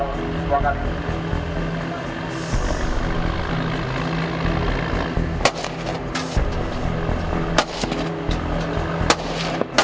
tepakan kapal dua kali